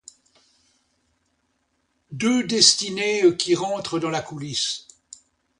Deux destinées qui rentrent dans la coulisse.